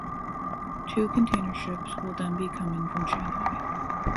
Two container ships will then be coming from Shanghai.